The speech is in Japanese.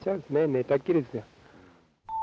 寝たっきりですよ。